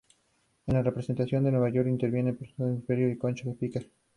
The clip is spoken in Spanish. En las representaciones de Nueva York intervinieron Pastora Imperio y Concha Piquer.